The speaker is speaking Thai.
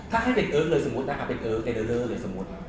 ถ้าให้เป็นเอ้อกเลยสมมุตินะเอาเป็นเออกเจริ่าเลยสมมุติ